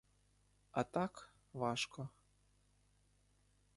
А так — важко.